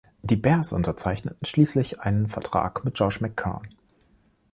Die Bears unterzeichneten schließlich einen Vertrag mit Josh McCown.